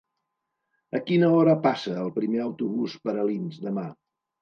A quina hora passa el primer autobús per Alins demà?